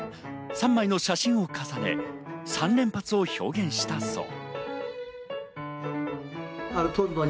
３枚の写真を重ね、３連発を表現したそう。